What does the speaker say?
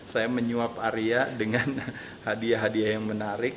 saya menyuap arya dengan hadiah hadiah yang menarik